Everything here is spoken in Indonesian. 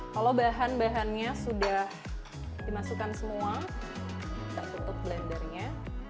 kalau bahan bahannya sudah dimasukkan semua kita tutup blendernya